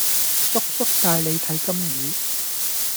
叔叔帶你睇金魚